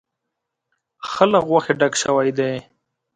ښه له غوښې ډک شوی دی.